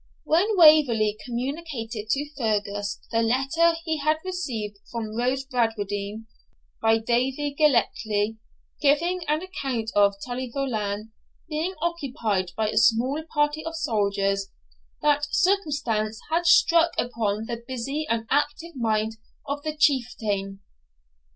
When Waverley communicated to Fergus the letter he had received from Rose Bradwardine by Davie Gellatley, giving an account of Tully Veolan being occupied by a small party of soldiers, that circumstance had struck upon the busy and active mind of the Chieftain.